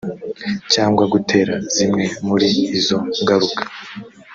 cyangwa gutera zimwe muri izo ngaruka